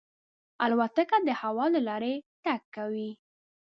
الوتکه د هوا له لارې تګ کوي.